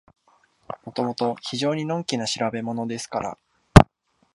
もともと非常にのんきな調べものですから、